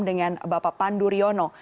dengan bapak pandu riono